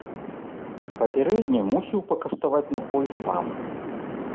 Папярэдне мусіў пакаштаваць напой сам.